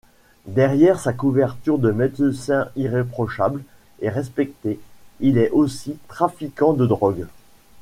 Derrière sa couverture de médecin irréprochable et respecté, il est aussi trafiquant de drogues.